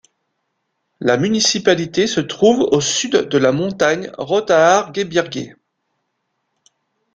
La municipalité se trouve au sud de la montagne Rothaargebirge.